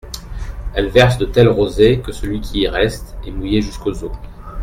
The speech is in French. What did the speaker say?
Elle verse de telles rosées que celui qui y reste, est mouillé jusqu'aux os.